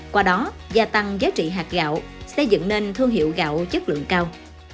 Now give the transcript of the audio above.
qua đó gia tăng giá trị hạt gạo xây dựng nên thương hiệu gạo chất lượng cao